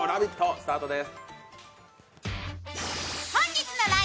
スタートです！